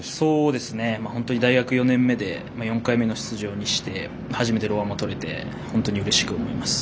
本当に大学４年目で４回目の出場にして初めてローアマとれて本当にうれしく思います。